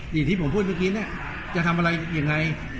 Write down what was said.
อย่างที่ผมพูดเมื่อกี้เนี่ยจะทำอะไรยังไง